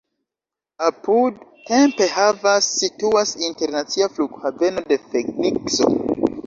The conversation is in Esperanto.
Apud Tempe havas situas internacia flughaveno de Fenikso.